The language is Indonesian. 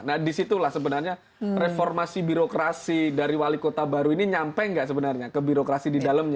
nah disitulah sebenarnya reformasi birokrasi dari wali kota baru ini nyampe nggak sebenarnya ke birokrasi di dalamnya